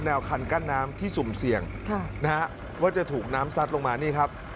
คันกั้นน้ำที่สุ่มเสี่ยงนะฮะว่าจะถูกน้ำซัดลงมานี่ครับ